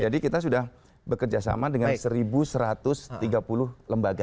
jadi kita sudah bekerjasama dengan seribu satu ratus tiga puluh lembaga